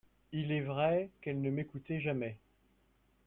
Il est vrai qu'elle ne m'écoutait jamais.